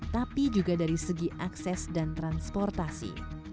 tapi juga dari segi akses dan transportasi